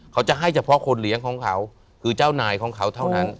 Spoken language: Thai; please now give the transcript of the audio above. เขาจะให้เฉพาะคนเลี้ยงของเขาคือเจ้านายของเขาเท่านั้น